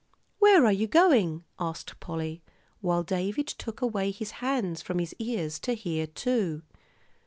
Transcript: "Where are you going?" asked Polly, while David took away his hands from his ears to hear, too.